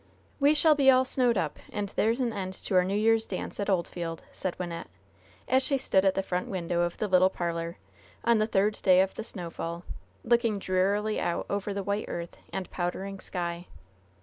"We shall be all snowed up, and there's an end to our New Year's dance at Oldfield," said Wynnette, as she stood at the front window of the little parlor, on the third day of the snowfall, looking drearily out over the white earth and powdering sky.